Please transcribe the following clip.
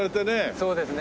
そうですね。